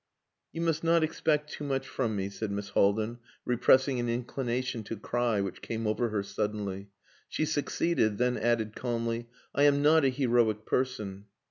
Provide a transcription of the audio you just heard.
"You must not expect too much from me," said Miss Haldin, repressing an inclination to cry which came over her suddenly. She succeeded, then added calmly, "I am not a heroic person!"